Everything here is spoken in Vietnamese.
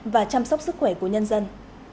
và chăm sóc sức khỏe của nhân dân